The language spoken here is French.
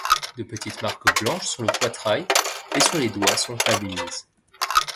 De petites marques blanches sur le poitrail et sur les doigts sont admises.